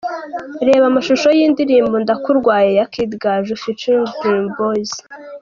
Reba amashusho y'indirimbo 'Ndakurwaye' ya Kid Gaju ft Dream boys.